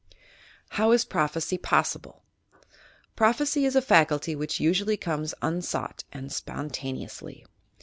HOW IS PEOPHECY POSSIBLE t Prophecy is a faculty which usually comes unsought and spontaneously.